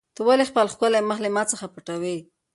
ته ولې خپل ښکلی مخ له ما څخه پټوې؟